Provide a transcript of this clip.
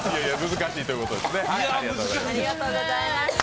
難しいということですね。